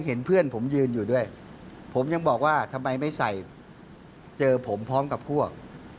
ก็ยังบอกว่าไม่รู้จัก